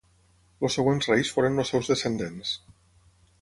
Els següents reis foren els seus descendents.